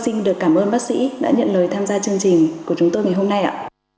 xin được cảm ơn bác sĩ đã nhận lời tham gia chương trình của chúng tôi ngày hôm nay ạ